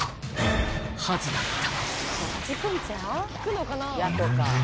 ［はずだった］